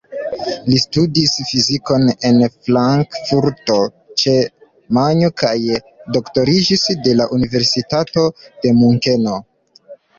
Li studis fizikon en Frankfurto ĉe Majno kaj doktoriĝis de la Universitato de Munkeno.